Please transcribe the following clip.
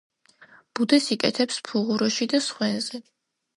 ბუდეს იკეთებს ფუღუროში და სხვენზე.